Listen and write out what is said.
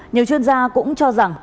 nhiều chuyên gia cũng cho rằng